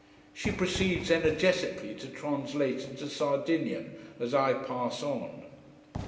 She proceeds energetically to translate into Sardinian, as I pass on.